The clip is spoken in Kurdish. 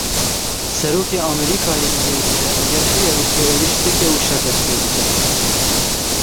Serokê Amerîkayê dibêje, eger heye Rûsya êriş bike û şer dest pê bike.